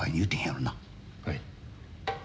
はい。